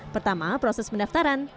pertama proses mendaftaran